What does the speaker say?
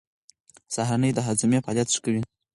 سهارنۍ د هاضمې فعالیت ښه کوي.